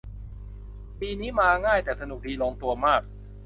ปีนี้มาง่ายแต่สนุกดี ลงตัวมาก